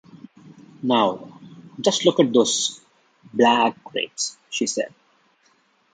“Now, just look at those black grapes!” she said.